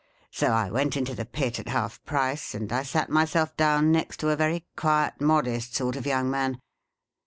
So I went into the Pit, at half price, and I sat myself down next to a very quiet, modest sort of young man.